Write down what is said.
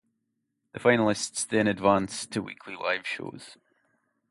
The finalists then advance to the weekly live shows.